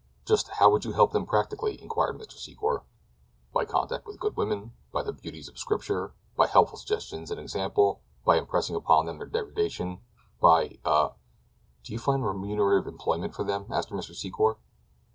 "Just how would you help them, practically?" inquired Mr. Secor. "By contact with good women; by the beauties of Scripture; by helpful suggestions and example; by impressing upon them their degradation; by—ah—" "Do you find remunerative employment for them?" asked Mr. Secor.